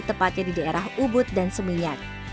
tepatnya di daerah ubud dan seminyak